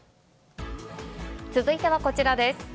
続いてはこちらです。